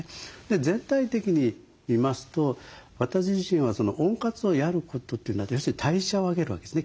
全体的に見ますと私自身は温活をやることというのは要するに代謝を上げるわけですね